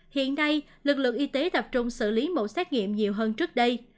hiện nay lực lượng y tế tập trung xử lý mẫu xét nghiệm nhiều hơn trước đây